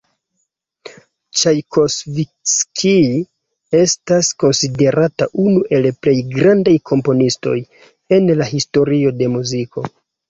Ĉajkovskij estas konsiderata unu el plej grandaj komponistoj en la historio de muziko.